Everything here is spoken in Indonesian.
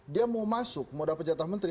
dia mau masuk mau dapat jatah menteri